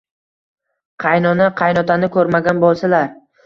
Qaynona-qaynotani ko‘rmagan bo‘lsalar.